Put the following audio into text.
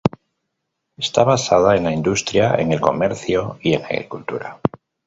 Está basada en la industria, en el comercio y en la agricultura.